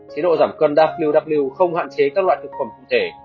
chế độ giảm cân ww không hạn chế các loại thực phẩm cụ thể